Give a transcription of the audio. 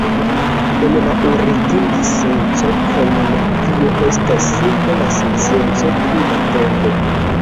En la origina senco kronologio estas simple la scienco pri la tempo.